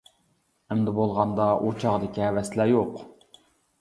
ئەمدى بولغاندا ئۇ چاغدىكى ھەۋەسلەر يوق.